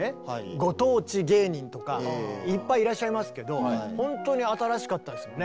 ご当地芸人とかいっぱいいらっしゃいますけど本当に新しかったですもんね。